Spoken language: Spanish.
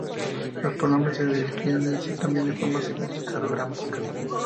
Los pronombres se declinan, es decir, cambian de forma según el caso gramatical.